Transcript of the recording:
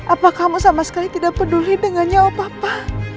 apa kamu sama sekali tidak peduli dengannya oh papa